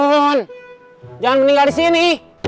jangan meninggal di sini